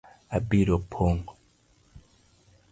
Obiro pong’